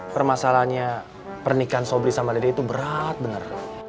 permasalahannya pernikahan sobri sama lede itu berat bener